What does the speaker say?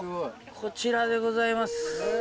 こちらでございます。